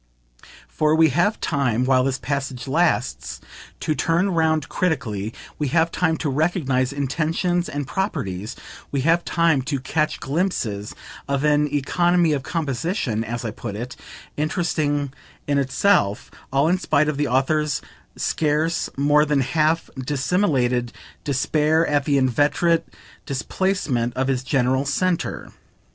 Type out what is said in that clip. For we have time, while this passage lasts, to turn round critically; we have time to recognise intentions and proprieties; we have time to catch glimpses of an economy of composition, as I put it, interesting in itself: all in spite of the author's scarce more than half dissimulated despair at the inveterate displacement of his general centre.